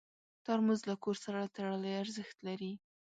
ترموز له کور سره تړلی ارزښت لري.